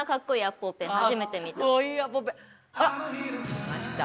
きました。